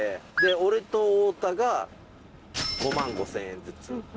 俺と太田が５万５０００円ずつ。